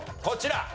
こちら。